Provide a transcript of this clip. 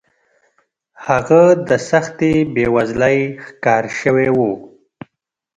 هغه د سختې بېوزلۍ ښکار شوی و.